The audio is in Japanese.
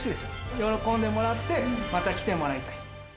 喜んでもらって、また来てもらいたい。